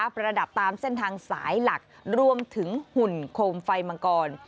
ประดับตามเส้นทางสายหลักรวมถึงหุ่นโคมไฟมังกร